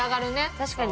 確かに。